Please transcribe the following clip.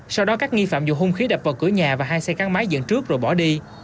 sau đó các nghi phạm dùng hung khí đập vào cửa nhà và hai xe gắn máy dẫn trước rồi bỏ đi